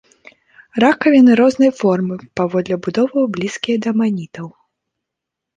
Ракавіны рознай формы, паводле будовы блізкія да аманітаў.